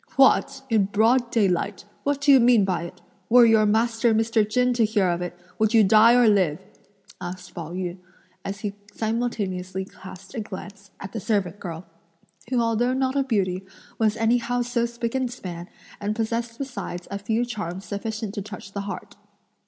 "What! in broad daylight! what do you mean by it? Were your master Mr. Chen to hear of it, would you die or live?" asked Pao yü, as he simultaneously cast a glance at the servant girl, who although not a beauty was anyhow so spick and span, and possessed besides a few charms sufficient to touch the heart.